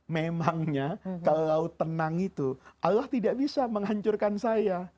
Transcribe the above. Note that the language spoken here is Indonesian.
memangnya kalau tenang itu allah tidak bisa menghancurkan saya